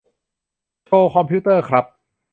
โชว์คอมพิวเตอร์ครับ